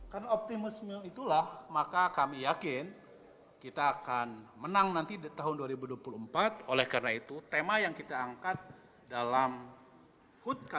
karena optimisme itulah maka kami yakin kita akan menang nanti tahun dua ribu dua puluh empat oleh karena itu tema yang kita angkat dalam hut kalimantan